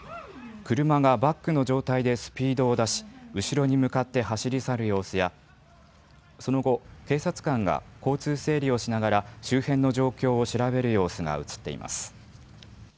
車がバックの状態でスピードを出し後ろに向かって走り去る様子やその後、警察官が交通整理をしながら周辺の状況を調べる様子が写っています。